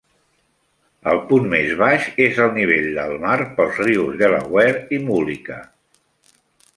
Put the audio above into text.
El punt més baix és el nivell del mar pels rius Delaware i Mullica.